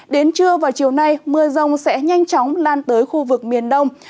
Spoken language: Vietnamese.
đến trưa và chiều nay mưa rông sẽ nhanh chóng lan tới khu vực miền đông